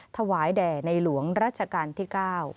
ถวายแด่ในหลวงรัชกาลที่๙